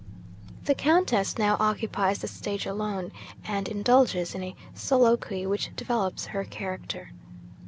'The Countess now occupies the stage alone, and indulges in a soliloquy which develops her character.